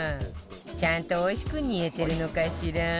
ちゃんとおいしく煮えてるのかしら？